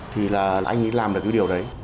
thì là anh ấy làm được cái điều đấy